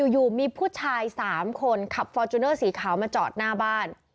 อยู่มีผู้ชาย๓คนขับฟอร์จูเนอร์สีขาวมาจอดหน้าบ้าน